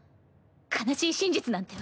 悲しい真実なんて